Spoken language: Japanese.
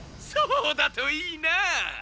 そうだといいな！